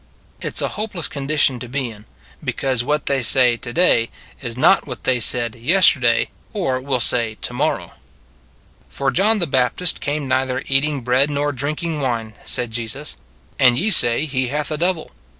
It s a hopeless condition to be in, be cause what they say to day is not what they said yesterday or will say to morrow. 82 It s a Good Old World " For John the Baptist came neither eat ing bread nor drinking wine," said Jesus, " and ye say, He hath a devil.